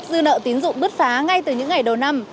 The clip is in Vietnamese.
dư nợ tín dụng bứt phá ngay từ những ngày đầu năm